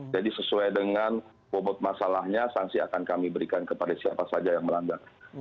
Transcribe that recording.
jadi sesuai dengan bobot masalahnya sanksi akan kami berikan kepada siapa saja yang melanggar